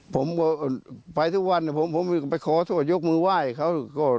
ผมก็ไปทุกวันผมไปขอโทษยกมือไหว้เขา